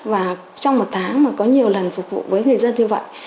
và trong một tháng mà có nhiều lần phục vụ với người dân như vậy